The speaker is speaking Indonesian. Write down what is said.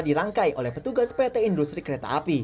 dirangkai oleh petugas pt industri kereta api